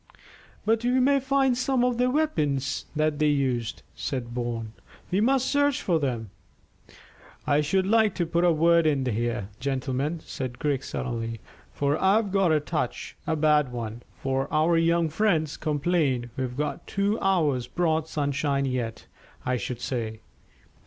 "But we may find some of their weapons that they used," said Bourne. "We must search for them." "I should like to put a word in here, gentlemen," said Griggs suddenly, "for I've got a touch a bad one of our young friends' complaint. We've a good two hours' broad sunshine yet, I should say."